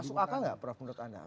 masuk akal nggak prof menurut anda